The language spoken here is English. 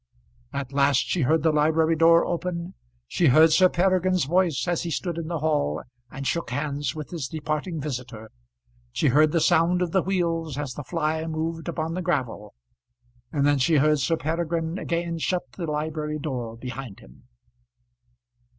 At last she heard the library door open, she heard Sir Peregrine's voice as he stood in the hall and shook hands with his departing visitor, she heard the sound of the wheels as the fly moved upon the gravel, and then she heard Sir Peregrine again shut the library door behind him.